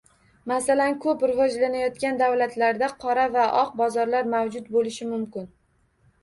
Masalan, koʻplab rivojlanayotgan davlatlarda qora va oq bozorlar mavjud boʻlishi mumkin.